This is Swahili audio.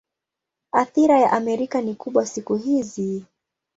Athira ya Amerika ni kubwa siku hizi.